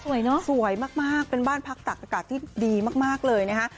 สวยเนอะสวยมากมากเป็นบ้านพักตักอากาศที่ดีมากมากเลยนะคะ